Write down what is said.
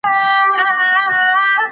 ته ولې د پوهنځي خاطرې نه ليکې؟